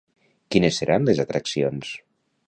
Quines seran les atraccions?